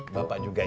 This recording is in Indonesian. bapak juga yes